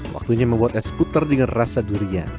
waktunya membuat es puter dengan rasa durian